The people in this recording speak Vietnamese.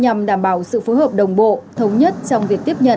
nhằm đảm bảo sự phối hợp đồng bộ thống nhất trong việc tiếp nhận